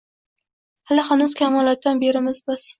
Hali hanuz kamolotdan berimiz biz